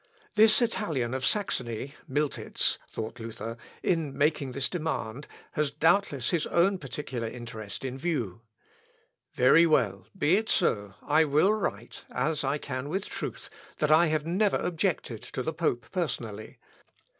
"This Italian of Saxony (Miltitz)," thought Luther, "in making this demand has doubtless his own particular interest in view. Very well, be it so, I will write, as I can with truth, that I have never objected to the pope personally.